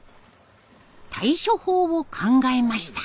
対処法を考えました。